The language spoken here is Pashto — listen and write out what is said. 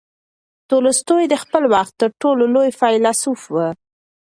تولستوی د خپل وخت تر ټولو لوی فیلسوف هم و.